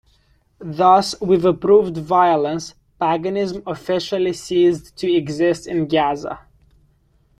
Thus with approved violence, paganism officially ceased to exist in Gaza.